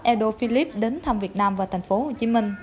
edo philippe đến thăm việt nam và tp hcm